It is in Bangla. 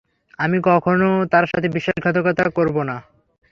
আমি কখনো তার সাথে বিশ্বাসঘাতকতা করবো না!